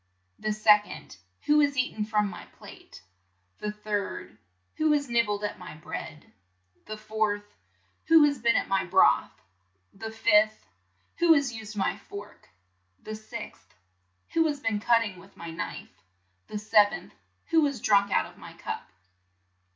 The sec ond, '"Who has eat en from my plate? " The third, "Who has nib bled at my bread?" The fourth, "Who has been at my broth?" The fifth, "Who has used my fork?" The sixth, "Who has been cut ting with my knife?" The sev enth, "Who has drunk out of my cup?"